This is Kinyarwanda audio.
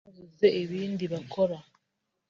babuze ibindi bakora